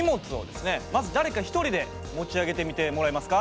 まず誰か一人で持ち上げてみてもらえますか？